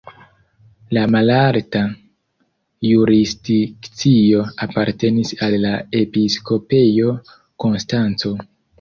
La malalta jurisdikcio apartenis al la Episkopejo Konstanco.